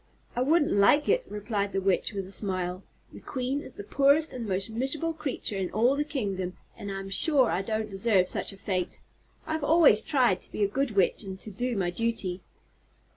"I wouldn't like it," replied the Witch, with a smile. "The Queen is the poorest and most miserable creature in all the kingdom and I'm sure I don't deserve such a fate. I've always tried to be a good witch and to do my duty."